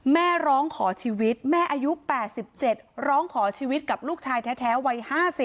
แม่ร้องขอชีวิตแม่อายุ๘๗ร้องขอชีวิตกับลูกชายแท้วัย๕๐